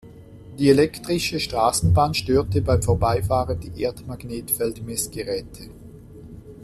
Die elektrische Straßenbahn störte beim Vorbeifahren die Erdmagnetfeld-Messgeräte.